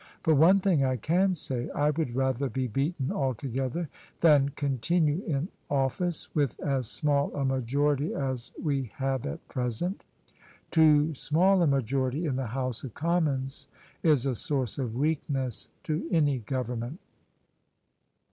But one thing I can say : I would rather be beaten altogether than continue in office with as small a majority as we have at present. Too small a majority in the House of Commons is a source of weakness to any Government."